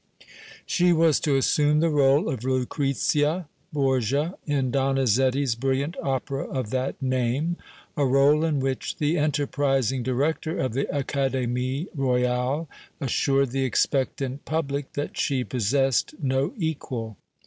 She was to assume the rôle of Lucrezia Borgia, in Donizetti's brilliant opera of that name, a rôle in which the enterprising director of the Académie Royale assured the expectant public that she possessed no equal.